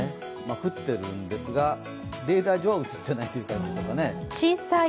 降ってるんですが、レーダー上は映ってないという感じでしょうか。